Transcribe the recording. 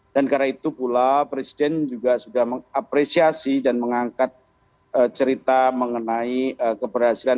dan karena itu pula presiden juga sudah mengapresiasi dan mengangkat cerita mengenai keberhasilan